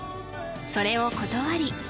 それを断り